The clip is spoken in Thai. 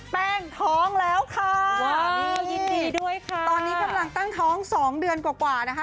แป้งท้องแล้วค่ะนี่ยินดีด้วยค่ะตอนนี้กำลังตั้งท้องสองเดือนกว่ากว่านะคะ